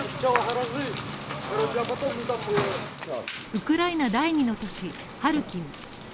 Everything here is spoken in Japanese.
ウクライナ第２の都市、ハルキウ。